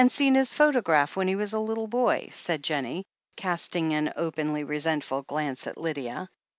seen his photograph when he was a little boy," said Jennie, casting an openly re sentful glance at Lydia.